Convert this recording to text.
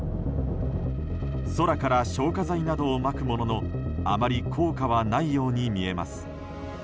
空から消火剤などをまくもののあまり効果はないように見えます。